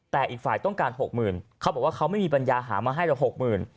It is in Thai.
แต่อีกฝ่ายต้องการ๖๐๐๐เขาบอกว่าเขาไม่มีปัญญาหามาให้ละหกหมื่น